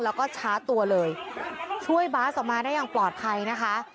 แล้วก็ช้าตัวเลยช่วยบาสออกมาได้อย่างปลอดภัยนะคะ